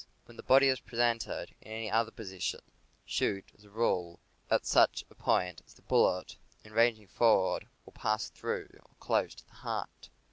When the body is presented in any other position, shoot, as a rule, at such a point that the bullet, in ranging forward, will pass through or close to the heart.